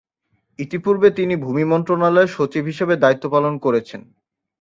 ইতিপূর্বে তিনি ভূমি মন্ত্রণালয়ের সচিব হিসেবে দায়িত্ব পালন করেছেন।